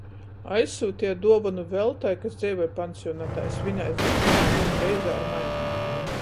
Aizsyuteju duovonu Veltai, kas dzeivoj pansionatā i svinēs dzimšonys dīnu reizē ar mani.